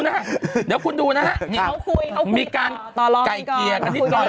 เดี๋ยวคุณดูนะมีการต่อลองกินก่อนคุยกร้ายน้อย